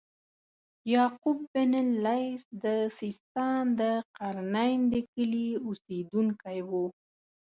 یعقوب بن اللیث د سیستان د قرنین د کلي اوسیدونکی و.